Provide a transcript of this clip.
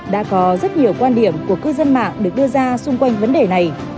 đã có rất nhiều quan điểm của cư dân mạng được đưa ra xung quanh vấn đề này